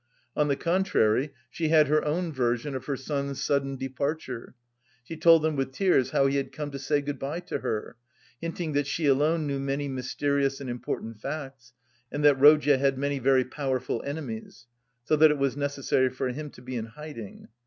On the contrary, she had her own version of her son's sudden departure; she told them with tears how he had come to say good bye to her, hinting that she alone knew many mysterious and important facts, and that Rodya had many very powerful enemies, so that it was necessary for him to be in hiding.